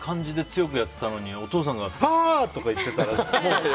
そんな感じで強く言ってたのにお父さんがあー！とか言ってたら。